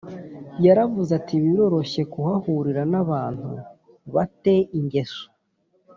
yaravuze ati biroroshye kuhahurira n abantu ba te ingeso